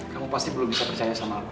kamu pasti belum bisa percaya sama aku